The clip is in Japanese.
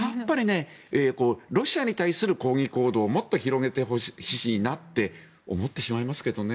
ロシアに対する抗議行動をもっと広げてほしいなと思ってしまいますけどね。